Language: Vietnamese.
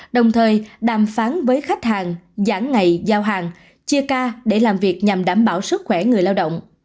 đồng thời đàm phán với khách hàng giãn ngày giao hàng chia ca để làm việc nhằm đảm bảo sức khỏe người lao động